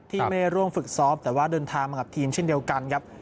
ที่ไม่ร่วมฝึกซ้อมแต่ว่าเดินทางมากับทีมเช่นเดียวกันครับ